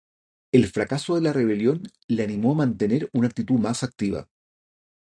El fracaso de la rebelión le animó a mantener una actitud más activa.